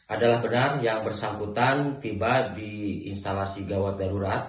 adalah benar yang bersangkutan tiba di instalasi gawat darurat